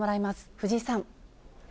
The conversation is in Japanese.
藤井さん。